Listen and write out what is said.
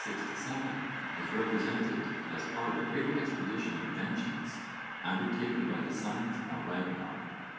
infra_) is represented as part of a great expedition of vengeance undertaken by the sons of Ragnarr.